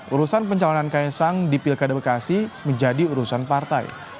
urusan pencalonan kaisang di pilkada bekasi menjadi urusan partai